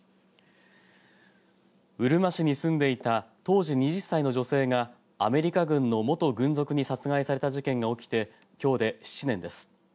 うるま市に住んでいた当時２０歳の女性がアメリカ軍の元軍属に殺害された事件が起きてきょうで７年です。